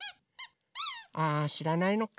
ああしらないのか。